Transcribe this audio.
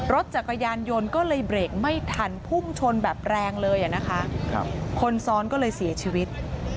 รถจักรยานยนต์ก็เลยเบรกไม่ทันพุ่งชนแบบแรงเลยอ่ะนะคะคนซ้อนก็เลยเสียชีวิต